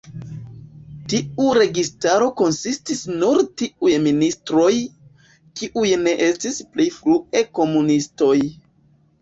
Tiu registaro konsistis nur tiuj ministroj, kiuj ne estis pli frue komunistoj.